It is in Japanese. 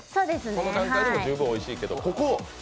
この段階でも十分おいしいですけど。